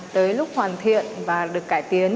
tới lúc hoàn thiện và được cải tiến